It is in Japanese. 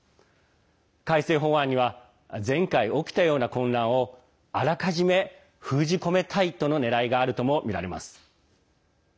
改正法案には前回、起きたような混乱をあらかじめ封じ込めたいとのねらいがあるともみられます。